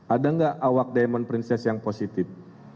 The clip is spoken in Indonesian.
ada nggak awak diamond princess yang positif